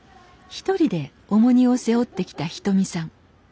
一人で重荷を背負ってきたひとみさん。